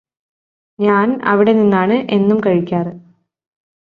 ഞാന് അവിടെ നിന്നാണ് എന്നും കഴിക്കാറ്